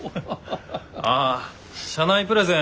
ああ社内プレゼン